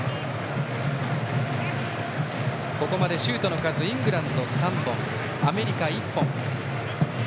ここまでシュートの数はイングランド、３本アメリカ、１本。